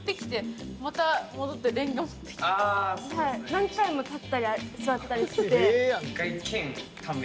何回も立ったり座ったりしてて。